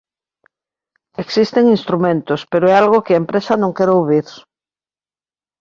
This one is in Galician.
Existen instrumentos, pero é algo que a empresa non quere ouvir.